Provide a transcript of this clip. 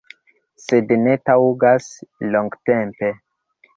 Sed ne taŭgas longtempe.